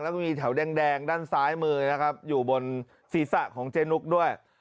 แล้วก็มีแถวแดงด้านซ้ายมือนะครับอยู่บนศีรษะของเจนุกด้วย